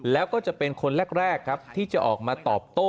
แล้วก็จะเป็นคนแรกครับที่จะออกมาตอบโต้